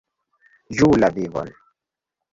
Ĝuu la vivon!